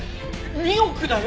２億だよ